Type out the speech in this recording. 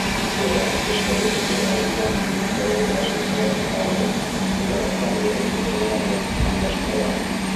Мәҫәлән, эшкә тотонор алдынан дуҫтарығыҙға шылтыратып алығыҙ, яратҡан йырығыҙҙы тыңлағыҙ һәм башҡалар.